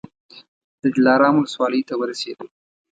د دلارام ولسوالۍ ته ورسېدو.